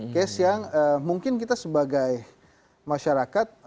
case yang mungkin kita sebagai masyarakat